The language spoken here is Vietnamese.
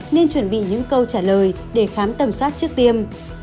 nên chuẩn bị những câu trả lời để khám tầm soát trước tiêm